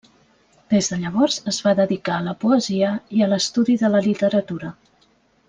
Des de llavors es va dedicar a la poesia i a l'estudi de la literatura.